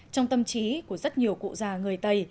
trong tâm trí của rất nhiều cụ già người tây